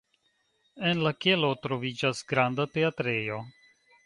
En la kelo troviĝas granda teatrejo.